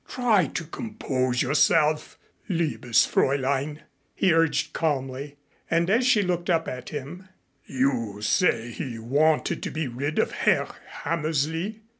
"Try to compose yourself, liebes Fräulein," he urged calmly, and, as she looked up at him: "You say he wanted to be rid of Herr Hammersley.